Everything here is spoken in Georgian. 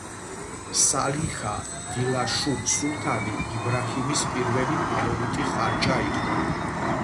სალიჰა დილაშუბ სულთანი იბრაჰიმის პირველი ფავორიტი ხარჭა იყო.